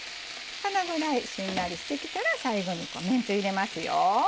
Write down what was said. このぐらいしんなりしてきたら最後にめんつゆ入れますよ。